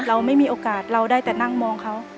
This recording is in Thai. เราไม่มีโอกาสเราได้แต่นั่งมองเขา